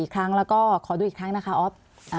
อีกครั้งแล้วก็ขอดูอีกครั้งนะคะอ๊อฟ